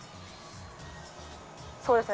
そうですね。